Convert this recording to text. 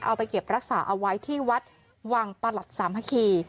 เอาไปเก็บรักษาเอาไว้ที่วัดวังประหลัดสามัคคี